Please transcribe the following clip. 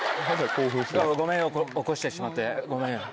ごめんよ起こしてしまってごめんよ。